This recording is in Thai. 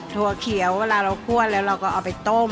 ถั่วเขียวเวลาเราคั่วแล้วเราก็เอาไปต้ม